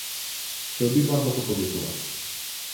Chtěl bych vám za to poděkovat.